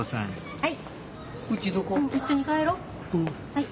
はい。